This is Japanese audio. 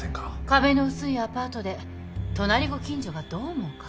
壁の薄いアパートで隣ご近所がどう思うか。